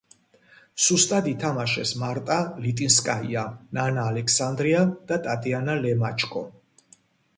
სუსტად ითმაშეს მარტა ლიტინსკაიამ, ნანა ალექსანდრიამ და ტატიანა ლემაჩკომ.